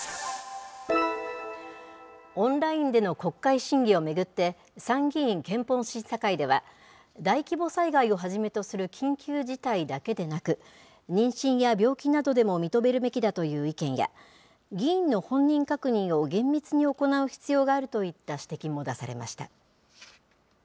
オンラインでの国会審議を巡って、参議院憲法審査会では、大規模災害をはじめとする緊急事態だけでなく、妊娠や病気などでも認めるべきだという意見や、議員の本人確認を厳密に行う必要があるといった指摘も出されました。